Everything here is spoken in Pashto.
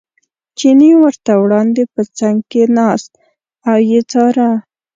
چیني ورته وړاندې په څنګ کې ناست او یې څاره.